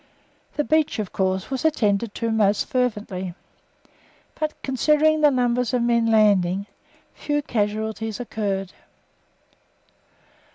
The beach, of course, was attended to most fervently, but considering the numbers of men landing few casualties occurred.